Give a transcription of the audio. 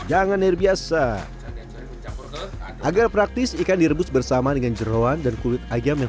jangan air biasa agar praktis ikan direbus bersama dengan jerawan dan kulit ayam yang